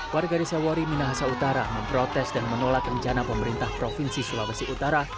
warga desa wari minahasa utara memprotes dan menolak rencana pemerintah provinsi sulawesi utara